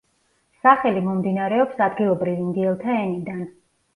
სახელი მომდინარეობს ადგილობრივ ინდიელთა ენიდან.